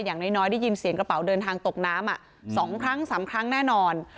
อย่างน้อยได้ยินเสียงกระเป๋าเดินทางตกน้ำ๒ครั้ง๓ครั้งแน่นอน